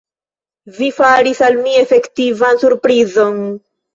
Vi faris al mi efektivan surprizon!